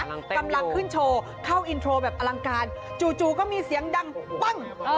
กำลังขึ้นโชว์เข้าอินโทรแบบอลังการจู่จู่ก็มีเสียงดังปั้ง